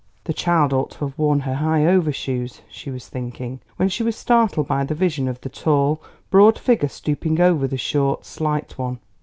"The child ought to have worn her high overshoes," she was thinking, when she was startled by the vision of the tall, broad figure stooping over the short, slight one.